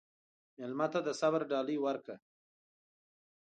مېلمه ته د صبر ډالۍ ورکړه.